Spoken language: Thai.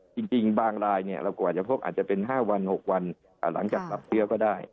จริงบางรายเรากว่าจะพกอาจจะเป็น๕วัน๖วันหลังจากรับเชื้อก็ได้